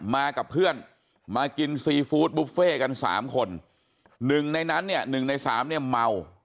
มากับเพื่อนมากินซีฟู้ดบุฟเฟ่กันสามคนหนึ่งในนั้นเนี่ยหนึ่งในสามเนี่ยเมา